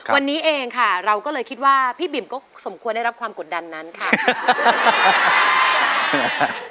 วันนี้เองค่ะเราก็เลยคิดว่าพี่บิ๋มก็สมควรได้รับความกดดันนั้นค่ะ